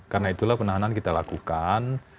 karena itulah penahanan kita lakukan